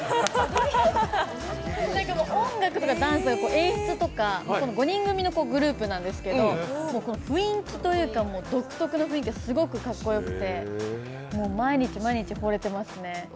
音楽とかダンスとか演出とか、５人組のグループなんですけどこの独特な雰囲気がすごくかっこよくてもう毎日毎日ほれてますね。